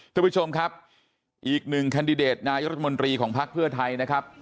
ทุกผู้ชมครับอีกหนึ่งแคนดิเดตนายรัฐมนตรีของภักดิ์เพื่อไทยนะครับ